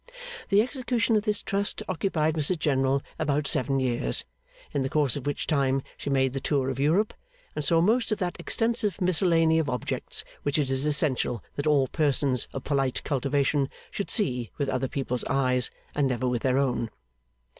The execution of this trust occupied Mrs General about seven years, in the course of which time she made the tour of Europe, and saw most of that extensive miscellany of objects which it is essential that all persons of polite cultivation should see with other people's eyes, and never with their own.